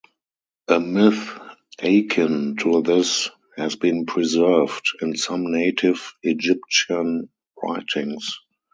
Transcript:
A myth akin to this has been preserved in some native Egyptian writings.